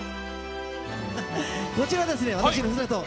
こちらは私のふるさと